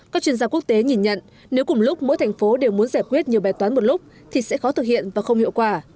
các chuyên gia quốc tế nhìn nhận nếu cùng lúc mỗi thành phố đều muốn giải quyết nhiều bài toán một lúc thì sẽ khó thực hiện và không hiệu quả